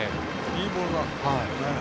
いいボールだ。